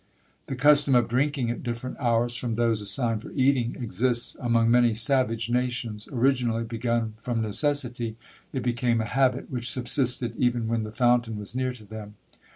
The custom of drinking at different hours from those assigned for eating exists among many savage nations. Originally begun from necessity, it became a habit, which subsisted even when the fountain was near to them.